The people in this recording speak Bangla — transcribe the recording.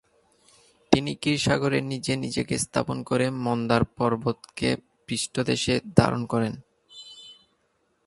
তিনি ক্ষীরসাগরের নিচে নিজেকে স্থাপন করে মন্দার পর্বতকে পৃষ্ঠদেশে ধারণ করেন।